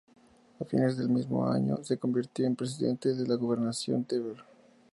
A fines del mismo año, se convirtió en presidente de la gobernación Tver.